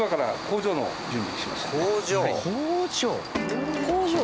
工場？